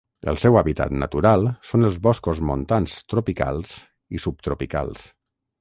El seu hàbitat natural són els boscos montans tropicals i subtropicals.